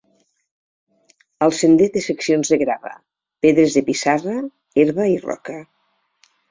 El sender té seccions de grava, pedres de pissarra, herba i Roca.